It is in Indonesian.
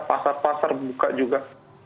pasar pasar buka juga